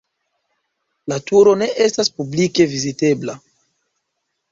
La turo ne estas publike vizitebla.